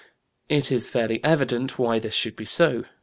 It is fairly evident why this should be so.